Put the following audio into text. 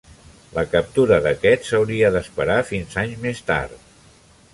La captura d'aquests hauria d'esperar fins anys més tard.